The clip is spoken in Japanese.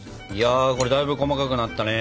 これだいぶ細かくなったね。